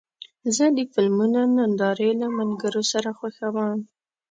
زه د فلمونو نندارې له ملګرو سره خوښوم.